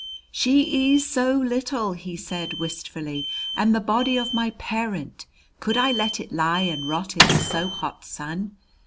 "She ees so little!" he said wistfully. "And the body of my parent could I let it lie and rot in the so hot sun?